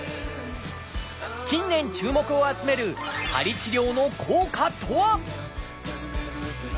近年注目を集める鍼治療の効果とは？